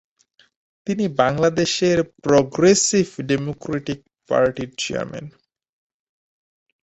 তিনি বাংলাদেশের Progressive Democratic পার্টির চেয়ারম্যান।